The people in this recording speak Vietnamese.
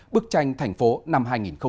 bức tranh thành phố năm hai nghìn một mươi chín